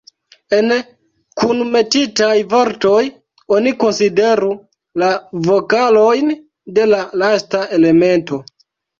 En kunmetitaj vortoj, oni konsideru la vokalojn de la lasta elemento.